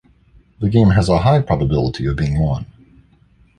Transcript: The game has a high probability of being won.